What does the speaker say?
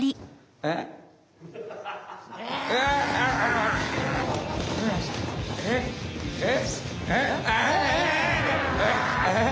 えっえっ。